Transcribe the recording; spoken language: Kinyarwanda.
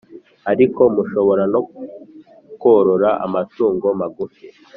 ariko mushobora no korora amatungo magufi,